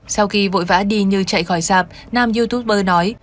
sau khi vội vã đi như chạy khỏi sạp nam youtuber nói